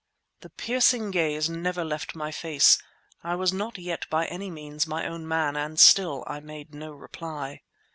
The piercing gaze never left my face. I was not yet by any means my own man and still I made no reply.